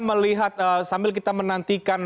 melihat sambil kita menantikan